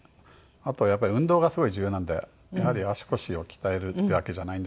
あとはやっぱり運動がすごい重要なんでやはり足腰を鍛えるっていうわけじゃないんですけど。